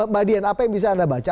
badian apa yang bisa anda baca